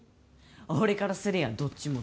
俺からすりゃ、どっちもどっち。